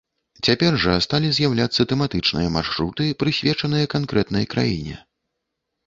Цяпер жа сталі з'яўляцца тэматычныя маршруты, прысвечаныя канкрэтнай краіне.